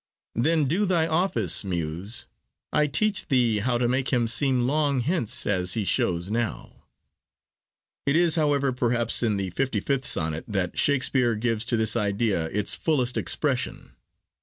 Then do thy office, Muse; I teach thee how To make him seem long hence as he shows now. It is, however, perhaps in the 55th Sonnet that Shakespeare gives to this idea its fullest expression.